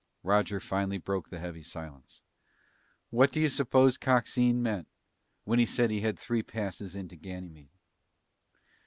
Roger finally broke the heavy silence. "What do you suppose Coxine meant when he said he had three passes into Ganymede?"